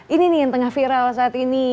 ini nih yang tengah viral saat ini